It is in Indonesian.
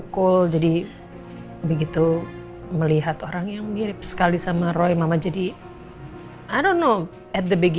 dalam hidup kita perlu seseorang